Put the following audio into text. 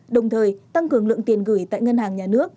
đồng thời tăng cường lượng tiền gửi tại ngân hàng nhà nước